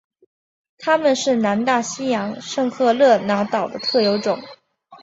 它们是南大西洋圣赫勒拿岛的特有种。